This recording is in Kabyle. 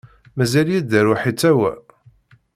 Mazal yedder uḥitaw-a?